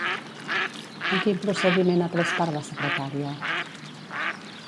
En quin procediment ha pres part la secretària?